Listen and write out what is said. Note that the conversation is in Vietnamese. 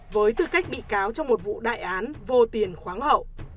với tư cách bị cáo trong một vụ đại án vô tiền khoáng hậu